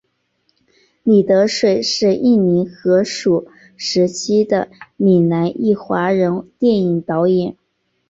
李德水是印尼荷属时期的闽南裔华人电影导演。